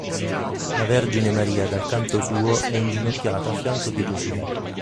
La Vergine Maria dal canto suo è inginocchiata a fianco di Gesù.